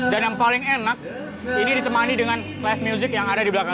dan yang paling enak ini ditemani dengan live music yang ada di belakang saya